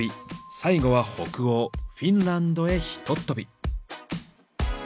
最後は北欧フィンランドへひとっ飛び。